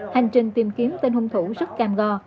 hành trình tìm kiếm tên hung thủ rất cam go